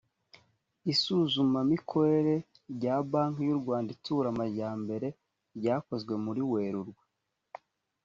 isuzumamikorere rya banki y u rwanda itsura amajyambere ryakozwe muri werurwe